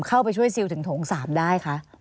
เข้าไปช่วยซิลถึงโถง๓ได้คะ